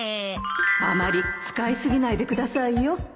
あまり使い過ぎないでくださいよ